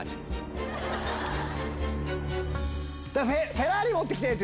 フェラーリ持って来て！って